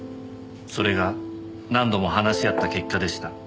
それが何度も話し合った結果でした。